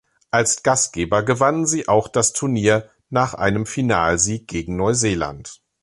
Als Gastgeber gewannen sie auch das Turnier, nach einem Finalsieg gegen Neuseeland.